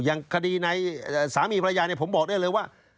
อย่างคดีในสามีภรรยาเนี่ยผมบอกได้เลยว่า